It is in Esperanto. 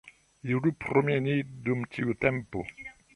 Iru promeni dum tiu tempo.